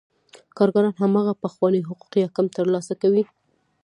کارګران هماغه پخواني حقوق یا کم ترلاسه کوي